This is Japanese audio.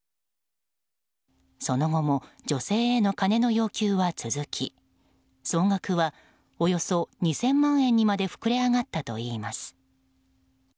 その後も女性への金の要求は続き総額はおよそ２０００万円にまで膨れ上がったといいます。